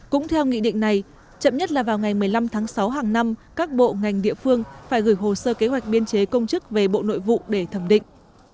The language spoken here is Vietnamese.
cũng theo nghị định này chậm nhất là vào ngày một mươi năm tháng sáu hàng năm các bộ ngành địa phương phải gửi hồ sơ kế hoạch biên chế công chức về bộ nội vụ để thẩm định